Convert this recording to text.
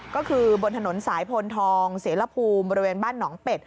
ก็คือบนถนนสายพลทองเสรภูมิบริเวณบ้านหนองเป็ด